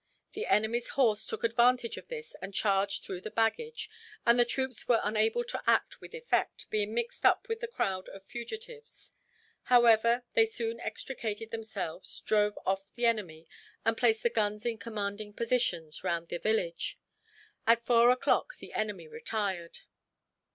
The enemy's horse took advantage of this and charged through the baggage, and the troops were unable to act with effect, being mixed up with the crowd of fugitives. However, they soon extricated themselves, drove off the enemy, and placed the guns in commanding positions round the village. At four o'clock the enemy retired.